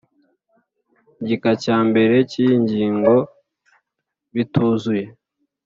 Gika cya mbere cy iyi ngingo bituzuye